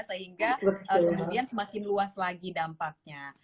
sehingga kemudian semakin luas lagi dampaknya